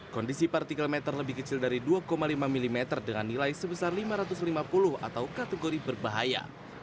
kondisi partikel meter lebih kecil dari dua lima mm dengan nilai sebesar lima ratus lima puluh atau kategori berbahaya